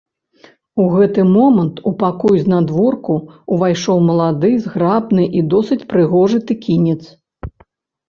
У гэты момант у пакой знадворку ўвайшоў малады, зграбны і досыць прыгожы тэкінец.